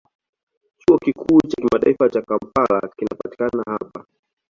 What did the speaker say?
Chuo Kikuu cha Kimataifa cha Kampala kinapatikana hapa.